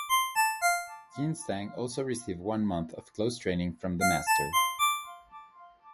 Yin Zheng also received one month of closed training from the master.